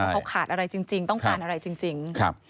เขาขาดอะไรจริงต้องการอะไรจริง